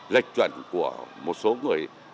lệch chuẩn của một số người